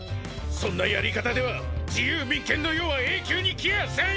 そんなやり方では自由民権の世は永久に来やせん！